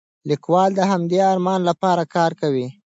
لیکوال د همدې ارمان لپاره کار کوي.